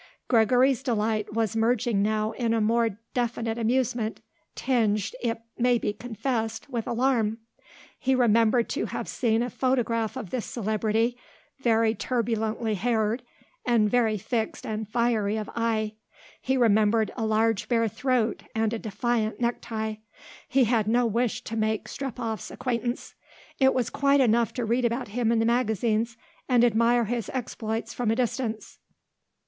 Gregory's delight was merging now in a more definite amusement, tinged, it may be confessed, with alarm. He remembered to have seen a photograph of this celebrity, very turbulently haired and very fixed and fiery of eye. He remembered a large bare throat and a defiant neck tie. He had no wish to make Strepoff's acquaintance. It was quite enough to read about him in the magazines and admire his exploits from a distance.